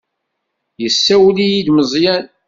Yessawel-iyi-d Meẓyan.